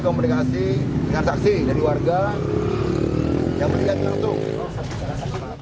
komunikasi konsertasi dari warga yang berbeda beda